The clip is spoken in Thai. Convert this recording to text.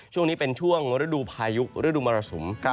ช่วงนี้เป็นช่วงฤดูพายุฤดูมรสุม